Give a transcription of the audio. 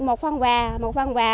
một phong và một phong và